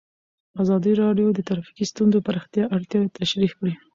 ازادي راډیو د ټرافیکي ستونزې د پراختیا اړتیاوې تشریح کړي.